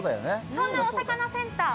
そんなお魚センター